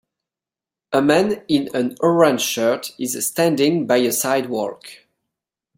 A man in an orange shirt is standing by a sidewalk.